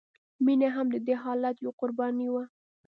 مینه هم د دې حالت یوه قرباني وه